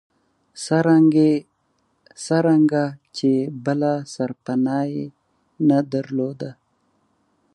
څرنګه چې بله سرپناه یې نه درلوده.